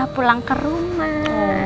pulang ke rumah